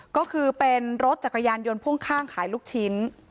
ก็คือเป็นรถจักรยานยนต์พ่วงข้างขายลูกชิ้น